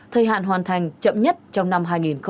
thời hạn hoàn thành chậm nhất trong năm hai nghìn hai mươi